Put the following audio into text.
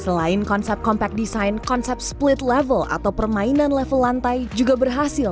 selain konsep compact design konsep split level atau permainan level lantai juga berhasil